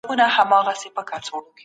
نوي نسل ته بايد د سولې درس ورکړل سي.